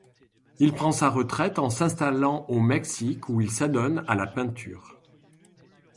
Il prend sa retraite en s'installant au Mexique où il s'adonne à la peinture.